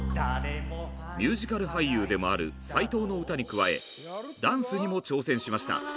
ミュージカル俳優でもある斎藤の歌に加えダンスにも挑戦しました。